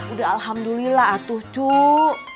udah alhamdulillah tuh cok